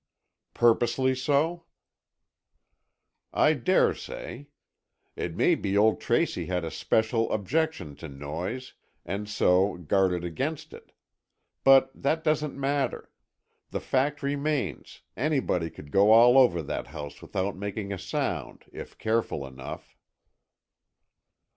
"Purposely so?" "I daresay. It may be old Tracy had a special objection to noise and so guarded against it. But that doesn't matter; the fact remains, anybody could go all over that house without making a sound, if careful enough."